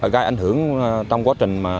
gai ảnh hưởng trong quá trình